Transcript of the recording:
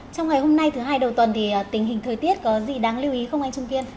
trong ngày hôm nay thứ hai đầu tuần tình hình thời tiết có gì đáng lưu ý không anh trung kiên